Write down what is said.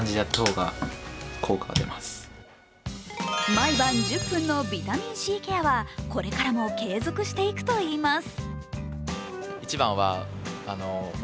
毎晩１０分のビタミンＣケアは、これからも継続していくといいます。